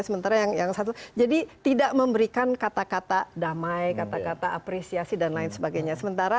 sementara yang satu jadi tidak memberikan kata kata damai kata kata apresiasi dan lain sebagainya